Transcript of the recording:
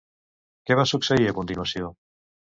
Què va succeir a continuació?